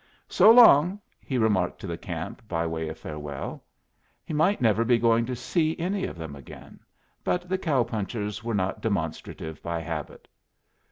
"So long!" he remarked to the camp, by way of farewell. He might never be going to see any of them again; but the cow punchers were not demonstrative by habit.